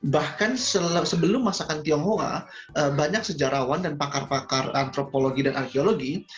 bahkan sebelum masakan tionghoa banyak sejarawan dan pakar pakar antropologi dan arkeologi